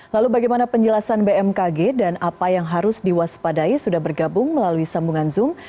lalu bagaimana penjelasan bmkg dan apa yang harus diwaspadai sudah bergabung melalui sambungan zoom